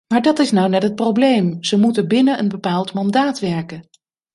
Maar dat is nou net het probleem: ze moeten binnen een bepaald mandaat werken.